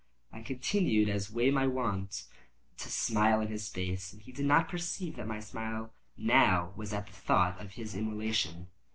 I continued, as was my wont, to smile in his face, and he did not perceive that my smile now was at the thought of his immolation.